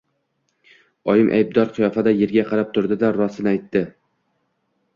Oyim aybdor qiyofada yerga qarab turdi-da, rostini aytdi.